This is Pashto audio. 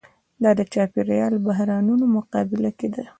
دا د چاپېریال بحرانونو مقابله کې ده.